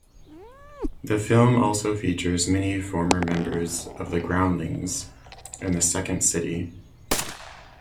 The film also features many former members of The Groundlings and The Second City.